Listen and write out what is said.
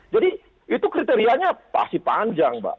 jadi itu kriterianya pasti panjang mbak